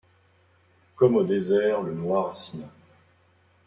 Comme au désert le noir Sina